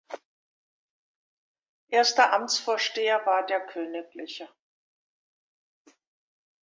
Erster Amtsvorsteher war der Kgl.